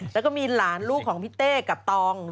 แล้วก็มีหลานลูกของพี่เต้กับตอง